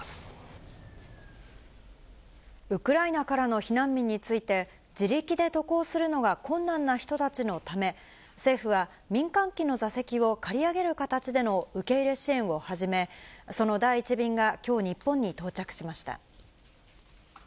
ウクライナからの避難民について、自力で渡航するのが困難な人たちのため、政府は民間機の座席を借り上げる形での受け入れ支援を始め、その第１便がきょう、日本に到着しました。